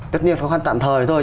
tất nhiên khó khăn tạm thời thôi